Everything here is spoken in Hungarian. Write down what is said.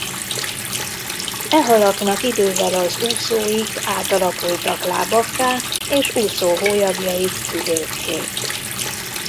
E halaknak idővel az úszóik átalakultak lábakká és úszóhólyagjaik tüdőkké.